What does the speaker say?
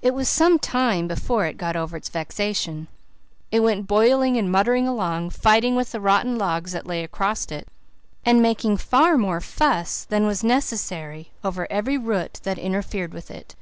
It was some time before it got over its vexation; it went boiling and muttering along, fighting with the rotten logs that lie across it, and making far more fuss than was necessary over every root that interfered with it.